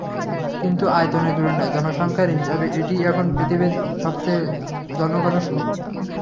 কিন্তু আয়তনের তুলনায় জনসংখ্যার হিসাবে এটিই এখন পৃথিবীর সবচেয়ে জনঘন শহর।